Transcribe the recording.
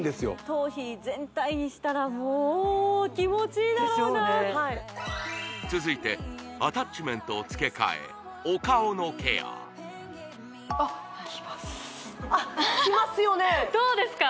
頭皮全体にしたらもう気持ちいいだろうな続いてアタッチメントを付け替えお顔のケアあっきますきますよねどうですか？